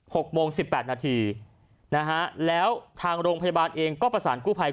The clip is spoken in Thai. หกโมงสิบแปดนาทีนะฮะแล้วทางโรงพยาบาลเองก็ประสานกู้ภัย